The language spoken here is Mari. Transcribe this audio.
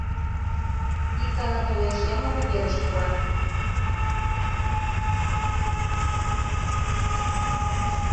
Ик гана толеш — эмлыме верыш пура.